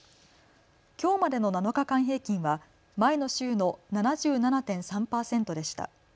きょうまでの７日間平均は前の週の７７．３％でした。